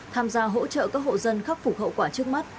tham gia hỗ trợ các hộ dân khắc phục hậu quả trước mắt